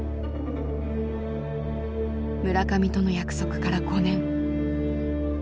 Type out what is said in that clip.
村上との約束から５年。